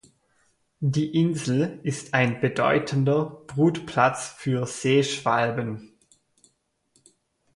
Die Insel ist ein bedeutender Brutplatz für Seeschwalben.